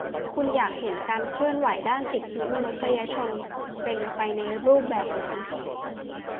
"คุณอยากเห็นการเคลื่อนไหวด้านสิทธิมนุษยชนเป็นไปในรูปแบบไหน ?"